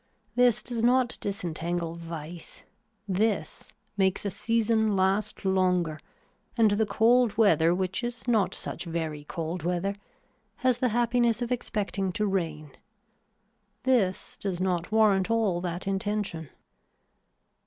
This does not disentangle vice. This makes a season last longer and the cold weather which is not such very cold weather has the happiness of expecting to rain. This does not warrant all that intention.